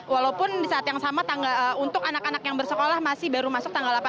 walaupun di saat yang sama untuk anak anak yang bersekolah masih baru masuk tanggal delapan belas